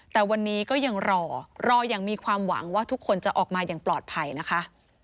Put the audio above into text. แต่วันนี้ก็ยังรอรออย่างมีความหวังว่าทุกคนจะออกมาอย่างปลอดภัยนะคะ